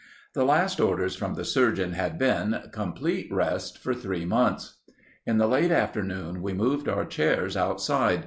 The last orders from the surgeon had been, "Complete rest for three months." In the late afternoon we moved our chairs outside.